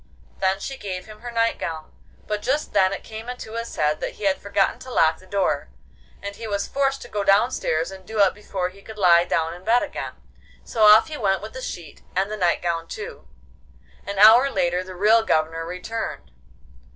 Then she gave him her night gown, but just then it came into his head that he had forgotten to lock the door, and he was forced to go downstairs and do it before he could lie down in bed again. So off he went with the sheet, and the night gown too. An hour later the real Governor returned.